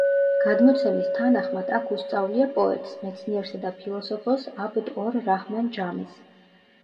გადმოცემის თანახმად აქ უსწავლია პოეტს, მეცნიერსა და ფილოსოფოსს აბდ-ორ-რაჰმან ჯამის.